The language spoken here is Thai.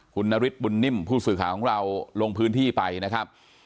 คุณนฤทธิบุญนิ่มผู้สื่อข่าวของเราลงพื้นที่ไปนะครับ